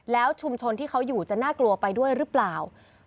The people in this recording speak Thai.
แล้วชุมชนที่เขาอยู่จะน่ากลัวไปด้วยหรือเปล่า